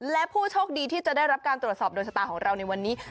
และผู้โชคดีที่จะได้รับการตรวจสอบโดนชะตาของเราในวันนี้